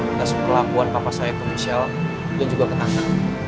minta superlakuan papa saya ke michelle dan juga ke tante